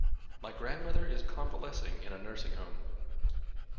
My grandmother is convalescing in a nursing home.